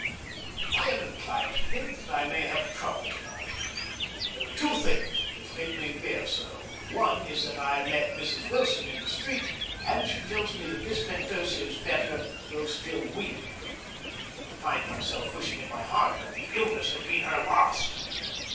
I am inclined to think that I may have trouble to night. There are two things which make me fear so. One is that I met Mrs. Wilson in the street, and that she tells me that Miss Penclosa is better, though still weak. I find myself wishing in my heart that the illness had been her last.